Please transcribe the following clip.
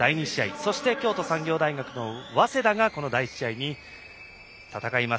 そして、京都産業大学と早稲田が第１試合で戦います。